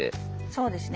そうですね。